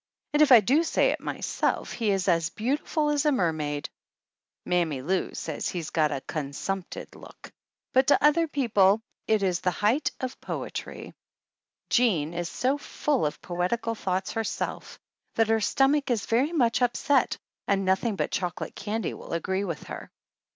And, if I do say it myself, he is as beautiful as a mer maid. Mammy Lou says he's gpt a "con sumpted look," but to other people it is the height of poetry. 167 THE ANNALS OF ANN Jean is so full of poetical thoughts herself that her stomach is very much upset and noth ing but chocolate candy will agree with her.